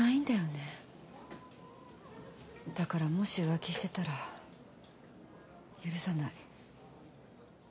だからもし浮気してたら許さない。